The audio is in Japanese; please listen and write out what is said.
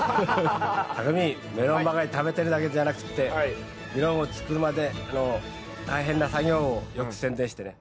たくみメロンばかり食べてるだけじゃなくってメロンを作るまでの大変な作業をよく宣伝してね。